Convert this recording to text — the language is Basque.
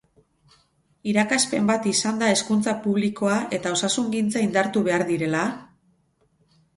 Irakaspen bat izan da hezkuntza publikoa eta osasungintza indartu behar direla?